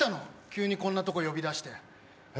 急にこんなとこ呼び出して。